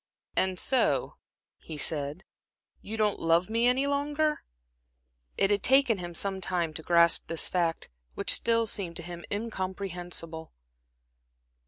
"And so," he said, "you don't love me any longer?" It had taken him some time to grasp this fact, which still seemed to him incomprehensible.